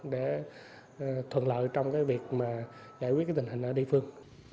để thuận lợi trong cái việc mà giải quyết cái tình hình ở địa phương